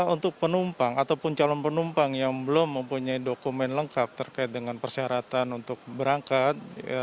untuk penumpang ataupun calon penumpang yang belum mempunyai dokumen lengkap terkait dengan persyaratan untuk berangkat